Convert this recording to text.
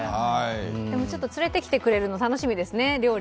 でも、連れてきてくれるの楽しみですよね。